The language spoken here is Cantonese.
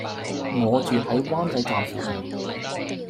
我住喺灣仔站附近